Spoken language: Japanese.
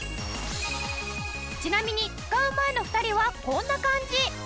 ちなみに使う前の２人はこんな感じ。